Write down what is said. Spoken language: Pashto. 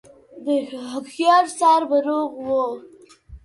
د هوښيار سر به روغ و